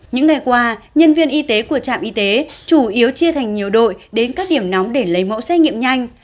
những ngày qua nhân viên y tế của trạm y tế chủ yếu chia thành nhiều đội đến các điểm nóng để lấy mẫu xét nghiệm nhanh